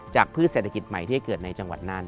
พืชเศรษฐกิจใหม่ที่ให้เกิดในจังหวัดน่าน